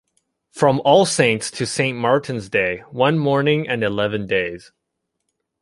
From All Saints to St. Martin’s Day, one morning and eleven days.